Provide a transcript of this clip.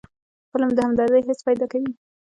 فلم د همدردۍ حس پیدا کوي